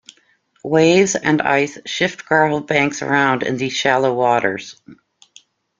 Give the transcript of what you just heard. Waves and ice shift gravel banks around in these shallow waters.